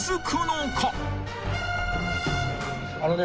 あのね。